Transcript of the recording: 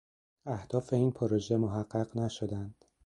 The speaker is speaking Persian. اهداف این پروژه محقق نشدند